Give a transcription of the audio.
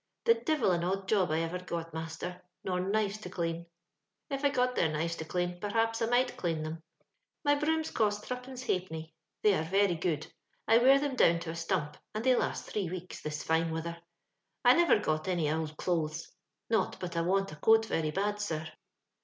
" The ui^il an odd job I iver got^ maator, nor knives to clane. If I got their ImiTca to clane, p'rhaps I might done them. " My brooms cost threepence ha'penny; they are very good. I wear them down to a stomp, and they last three weeks, this fine wither. I nivcr got any ould dothes — not but I want a coot very bad, sir.